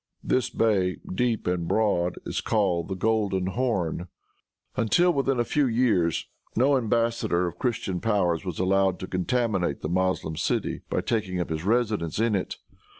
This bay, deep and broad, is called the Golden Horn. Until within a few years, no embassador of Christian powers was allowed to contaminate the Moslem city by taking up his residence in it.